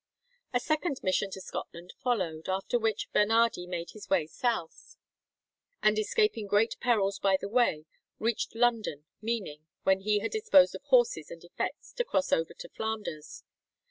A second mission to Scotland followed, after which Bernardi made his way south, and escaping great perils by the way, reached London, meaning, when he had disposed of horses and effects, to cross over to Flanders.